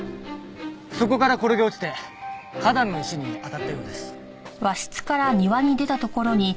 そこから転げ落ちて花壇の石に当たったようです。